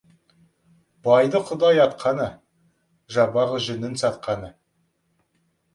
Байды Құдай атқаны — жабағы жүнін сатқаны.